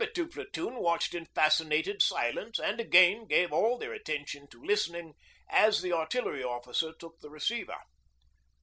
2 Platoon watched in fascinated silence and again gave all their attention to listening as the Artillery officer took the receiver.